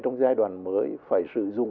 trong giai đoạn mới phải sử dụng